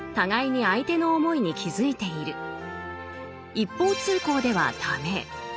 一方通行では駄目。